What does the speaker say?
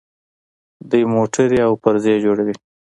دوی موټرې او پرزې جوړوي.